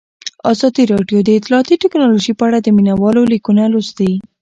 ازادي راډیو د اطلاعاتی تکنالوژي په اړه د مینه والو لیکونه لوستي.